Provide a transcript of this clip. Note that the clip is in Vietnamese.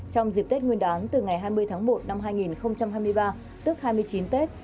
trong dịp tết nguyên đán từ ngày hai mươi tháng một năm hai nghìn hai mươi ba tức hai mươi chín tết